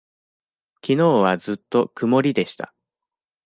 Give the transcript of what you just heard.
きのうはずっと曇りでした。